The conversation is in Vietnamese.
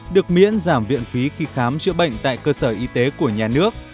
được miễn giảm viện phí khi khám chữa bệnh tại cơ sở y tế của nhà nước